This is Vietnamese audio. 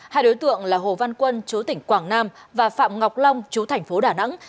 hai đối tượng là hồ văn quân chú tỉnh quảng nam và phạm ngọc long chú thành phố đà nẵng